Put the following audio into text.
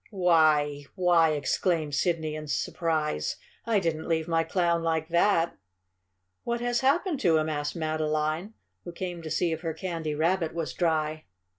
"Why! Why!" exclaimed Sidney in surprise. "I didn't leave my Clown like THAT!" "What has happened to him?" asked Madeline, who came to see if her Candy Rabbit was dry.